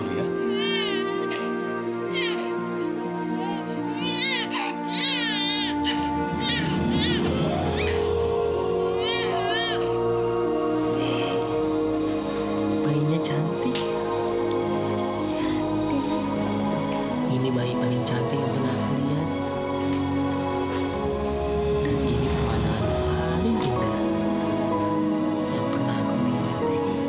bayinya cantik ini baik paling cantik yang pernah lihat